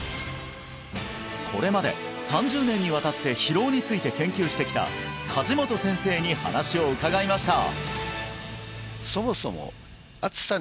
これまで３０年にわたって疲労について研究してきた梶本先生に話を伺いました